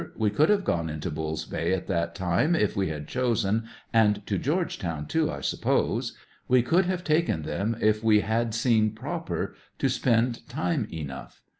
We could have gone into Bull's Bay at that time if we had chosen, and to Georgetown, too, I suppose; we could have taken them if we had seen proper to spend time enough.